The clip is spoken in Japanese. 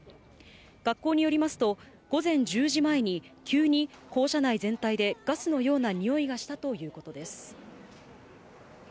学校によりますと、午前１０時前に、急に校舎内全体でガスのような臭いがしたということです。